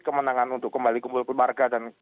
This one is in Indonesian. kemenangan untuk kembali kembali ke keluarga